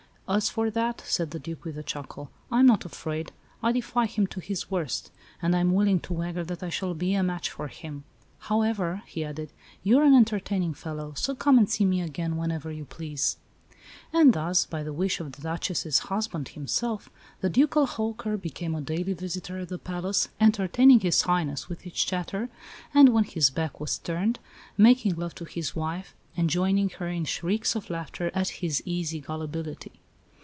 "As for that," said the Duke, with a chuckle, "I am not afraid. I defy him to do his worst; and I am willing to wager that I shall be a match for him. However," he added, "you're an entertaining fellow; so come and see me again whenever you please." And thus, by the wish of the Duchess's husband himself, the ducal "hawker" became a daily visitor at the palace, entertaining His Highness with his chatter, and, when his back was turned, making love to his wife, and joining her in shrieks of laughter at his easy gullibility.